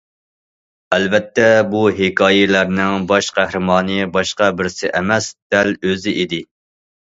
ئەلۋەتتە بۇ ھېكايىلەرنىڭ باش قەھرىمانى باشقا بىرسى ئەمەس، دەل ئۆزى ئىدى.